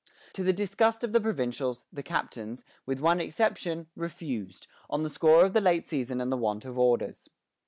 To the disgust of the provincials, the captains, with one exception, refused, on the score of the late season and the want of orders.